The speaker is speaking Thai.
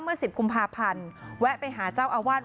เมื่อ๑๐กุมภาพันธ์แวะไปหาเจ้าอาวาส